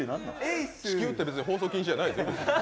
地球って別に放送禁止じゃないですよ。